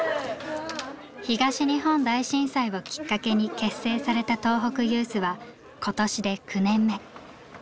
東日本大震災をきっかけに結成された東北ユースは今年で９年目。